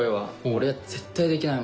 俺は絶対できない